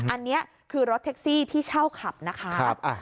อันนี้คือรถแท็กซี่ที่เช่าขับนะคะ